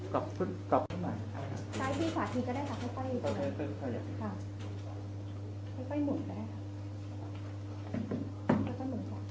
กรอบกรอบซ้ายที่ขวาทีก็ได้ค่ะให้ใกล้ให้ใกล้หมุนก็ได้ค่ะ